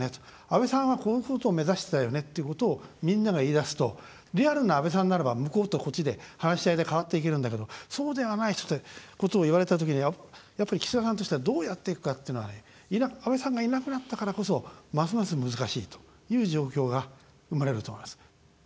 安倍さんは、こういうことを目指してたよねっていうことをみんなが言いだすとリアルな安倍さんならば向こうとこっちで話し合いで変わっていけるんだけどそうではないことを言われたときにやっぱり、岸田さんとしてはどうやっていくかっていうのは安倍さんがいなくなったからこそますます難しいという状況が生まれると思います。